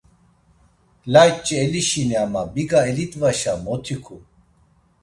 Layç̌i elişini ama biga elidvaşa mot ikum.